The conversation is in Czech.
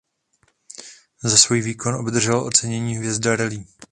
Za svůj výkon obdržel ocenění Hvězda rally.